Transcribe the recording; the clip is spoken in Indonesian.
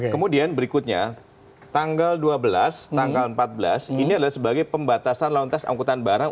kemudian berikutnya tanggal dua belas tanggal empat belas ini adalah sebagai pembatasan lalu lintas angkutan barang